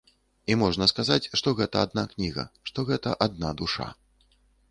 І можна сказаць, што гэта адна кніга, што гэта адна душа.